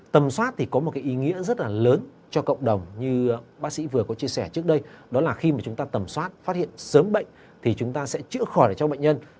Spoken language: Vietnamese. tầm soát thì có một cái ý nghĩa rất là lớn cho cộng đồng như bác sĩ vừa có chia sẻ trước đây đó là khi mà chúng ta tầm soát phát hiện sớm bệnh thì chúng ta sẽ chữa khỏi được cho bệnh nhân